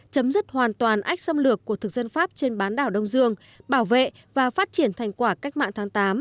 chấm dứt hoàn toàn ách xâm lược của thực dân pháp trên bán đảo đông dương bảo vệ và phát triển thành quả cách mạng tháng tám